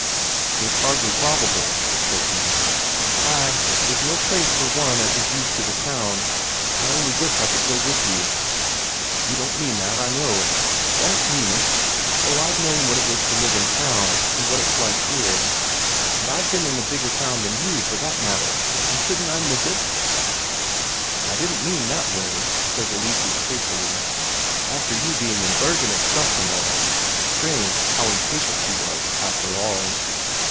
"It's hardly probable," says he. "Ay, 'tis no place for one as is used to the town. I only wish I could go along with you." "You don't mean that, I know." "Don't mean it? Oh, I've known what it is to live in town, and what it's like here; and I've been in a bigger town than you, for that matter and shouldn't I miss it?" "I didn't mean that way," says Eleseus hastily. "After you being in Bergen itself and all." Strange, how impatient she was, after all!